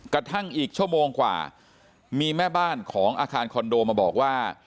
กระทั่งอีกชั่วโมงกว่ามีแม่บ้านของอาคารคอนโดมาบอกว่า